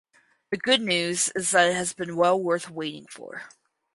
The good news is that it has been well worth waiting for.